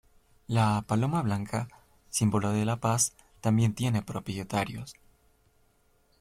La “Paloma Blanca”, símbolo de la Paz, también tiene propietarios.